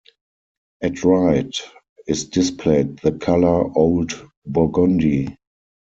At right is displayed the color old burgundy.